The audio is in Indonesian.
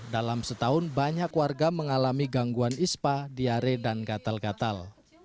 dalam setahun banyak warga mengalami gangguan ispa diare dan gatal gatal